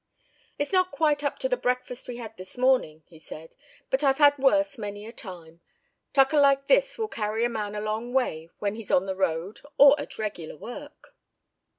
"It's not quite up to the breakfast we had this morning," he said; "but I've had worse many a time; tucker like this will carry a man a long way when he's on the road or at regular work."